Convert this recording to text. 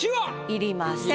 要りません。